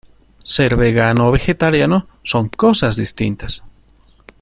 Ser vegano o vegetariano son cosas distintas.